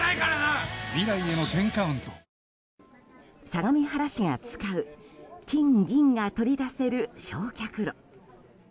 相模原市が使う金銀が取り出せる焼却炉。